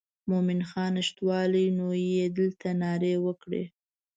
مومن خان نشتوالی نو یې دلته نارې وکړې.